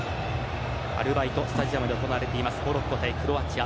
アルバイト・スタジアムで行われていますモロッコ対クロアチア。